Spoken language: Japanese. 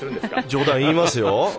冗談、言いますよ。